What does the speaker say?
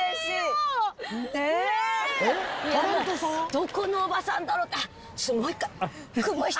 どこのおばさんだろうって。